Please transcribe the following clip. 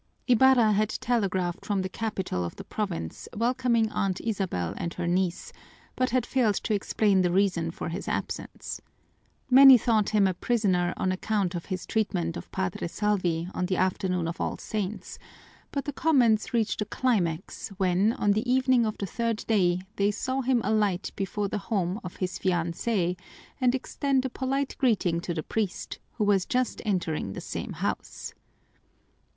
Ibarra had telegraphed from the capital of the province welcoming Aunt Isabel and her niece, but had failed to explain the reason for his absence. Many thought him a prisoner on account of his treatment of Padre Salvi on the afternoon of All Saints, but the comments reached a climax when, on the evening of the third day, they saw him alight before the home of his fiancée and extend a polite greeting to the priest, who was just entering the same house.